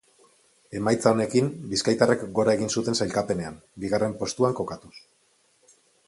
Emaitza honekin, bizkaitarrek gora egin zuten sailkapenean, bigarren postuan kokatuz.